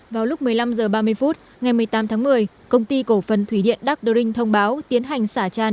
vào lúc một mươi năm h ba mươi phút ngày một mươi tám tháng một mươi công ty cổ phần thủy điện đắc đu rinh thông báo tiến hành xả tràn